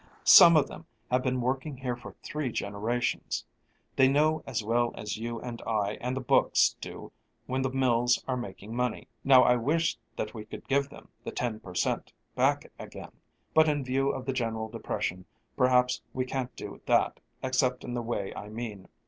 Some of them have been working here for three generations. They know as well as you and I and the books do when the mills are making money. Now I wish that we could give them the ten per cent. back again, but in view of the general depression perhaps we can't do that except in the way I mean.